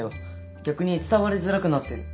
逆に伝わりづらくなってる。